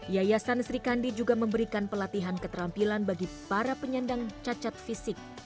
yayasan sri kandi juga memberikan pelatihan keterampilan bagi para penyandang cacat fisik